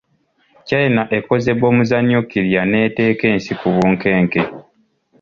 China ekoze bbomu za nukiriya n’eteeka ensi ku bunkenke.